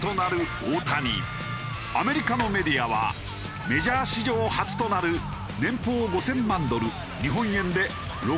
アメリカのメディアはメジャー史上初となる年俸５０００万ドル日本円で６６億